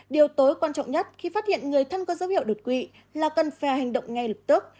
điều tối quan trọng nhất khi phát hiện người thân có dấu hiệu đột quỵ là cần phà hành động ngay lập tức